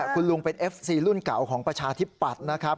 คุณลุงเป็นเอฟซีรุ่นเก่าของประชาธิปัตย์นะครับ